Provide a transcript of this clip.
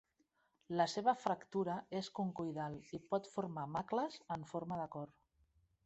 La seva fractura és concoidal i pot formar macles en forma de cor.